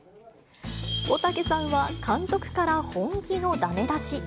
おたけさんは、監督から本気のだめ出し。